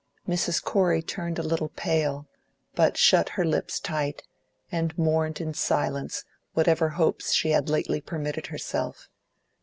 Mrs. Corey turned a little pale, but shut her lips tight and mourned in silence whatever hopes she had lately permitted herself.